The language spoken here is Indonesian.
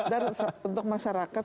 dan untuk masyarakat